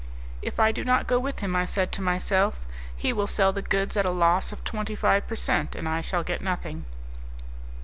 "If I do not go with him," I said to myself "he will sell the goods at a loss of twenty five per cent., and I shall get nothing."